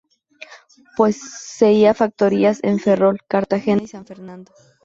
Poseía factorías en Ferrol, Cartagena y San Fernando.